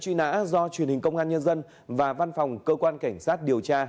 chú ý lệnh truy nã do truyền hình công an nhân dân và văn phòng cơ quan cảnh sát điều tra